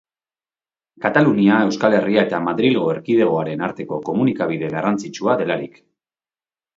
Katalunia, Euskal Herria eta Madrilgo Erkidegoaren arteko komunikabide garrantzitsua delarik.